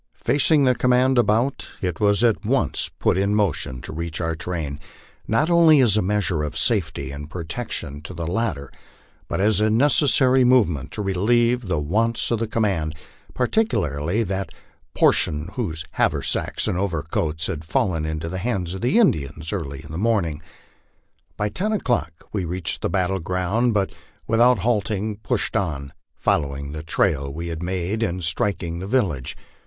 Facing the command about, it was at once put in motion to reach oui train, not only as a measure of safety and protection to the latter, but as a ne cessary movement to relieve the wants of the command, particularly that por tion whose haversacks and overcoats had fallen into the hands of the Indians early in the morning. By ten o'clock we reached the battle ground, but with out halting pushed on, following the trail we had made in striking the village.